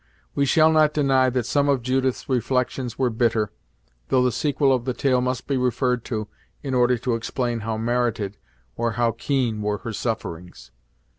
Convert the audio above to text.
We shall not deny that some of Judith's reflections were bitter, though the sequel of the tale must be referred to, in order to explain how merited, or how keen were her sufferings.